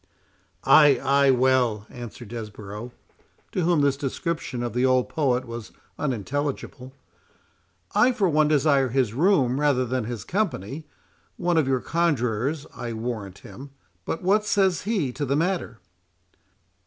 "Ay, ay! well," answered Desborough, to whom this description of the old poet was unintelligible—"I for one desire his room rather than his company; one of your conjurors, I warrant him. But what says he to the matter?"